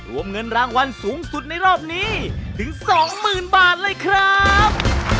รวมเงินรางวัลสูงสุดในรอบนี้ถึง๒๐๐๐บาทเลยครับ